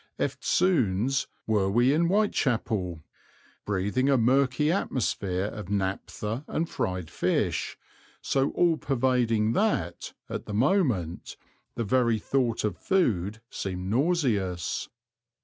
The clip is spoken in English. Eftsoons were we in Whitechapel, breathing a murky atmosphere of naptha and fried fish, so all pervading that, at the moment, the very thought of food seemed nauseous.